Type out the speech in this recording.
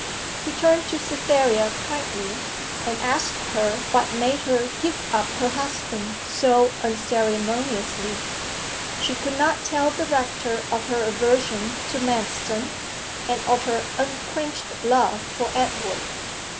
He turned to Cytherea kindly, and asked her what made her give up her husband so unceremoniously. She could not tell the rector of her aversion to Manston, and of her unquenched love for Edward.